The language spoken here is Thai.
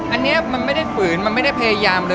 อันนี้มันไม่ได้ฝืนมันไม่ได้พยายามเลย